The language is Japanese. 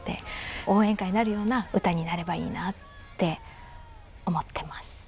応援歌になるような歌になればいいなって思ってます。